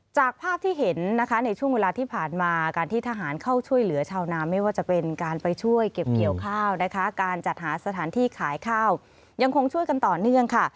จากภาพที่เห็นนะคะในช่วงเวลาที่ผ่านมาการที่ทหารเข้าช่วยเหลือชาวนาไม่ว่าจะเป็นการไปช่วยเก็บเกี่ยวข้าวนะคะการจัดหาสถานที่ขายข้าวยังคงช่วยกันต่อเนื่องค่ะ